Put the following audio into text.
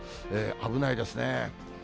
危ないですね。